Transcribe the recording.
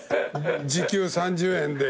時給３０円で。